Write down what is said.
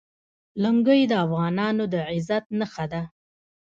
لنګۍ د افغانانو د عزت نښه ده.